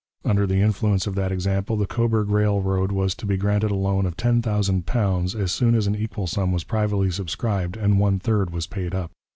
Under the influence of that example the Cobourg Railroad was to be granted a loan of £10,000 as soon as an equal sum was privately subscribed and one third was paid up.